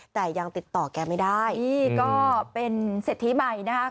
แต่ยังติดต่อแกไม่ได้นี่ก็เป็นเศรษฐีใหม่นะคะ